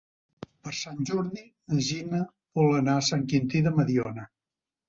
Per Sant Jordi na Gina vol anar a Sant Quintí de Mediona.